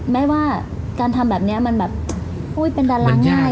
แม้ว่าการทำแบบนี้มันแบบอุ้ยเป็นดาราง่าย